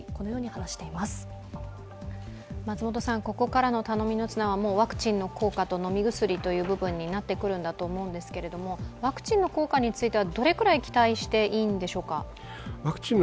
ここからの頼みの綱はワクチンの効果と飲み薬という部分になってくると思いますがワクチンの効果についてはどれくらい期待していいんでしょうか？